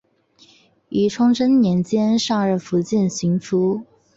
于崇祯年间上任福建巡抚。